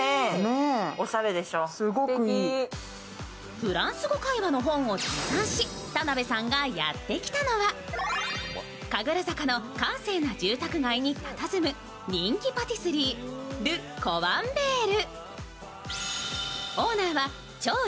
フランス語会話の本を持参し、田辺さんがやってきたのは、田辺さんがやって来たのは神楽坂の閑静な住宅街にたたずむ人気パティスリー、ル・コワンヴェール。